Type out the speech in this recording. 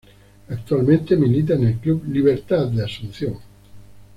Actualmente milita en el Club Libertad de Asunción.